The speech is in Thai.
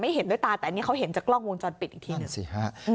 คนไม่เห็นด้วยตาแต่อันนี้เค้าเห็นจากกล้องวงจรปิดอีกที